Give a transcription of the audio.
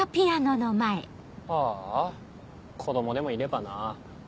ああ子供でもいればな。